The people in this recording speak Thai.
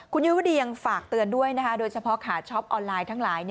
คุณยุวดียังฝากเตือนด้วยโดยเฉพาะขาช็อปออนไลน์ทั้งหลาย